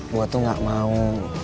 gue tuh gak mau